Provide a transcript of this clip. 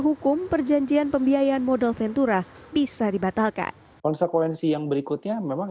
hukum perjanjian pembiayaan modal ventura bisa dibatalkan konsekuensi yang berikutnya memang